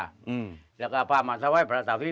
อเจมส์แล้วก็พามาเท่าไหร่ประสาทที่สุด